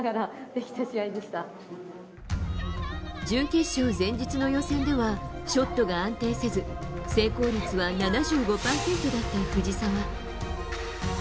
準決勝前日の予選ではショットが安定せず成功率は７５％だった藤澤。